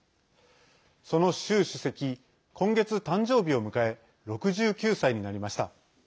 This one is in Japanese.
その習主席、今月誕生日を迎え６９歳になりました。